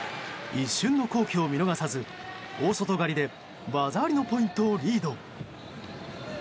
一瞬の好機を見逃さず大外刈りで技ありのポイントをリード。